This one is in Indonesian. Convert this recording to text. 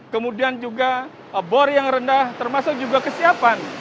kemudian juga bor yang rendah termasuk juga kesiapan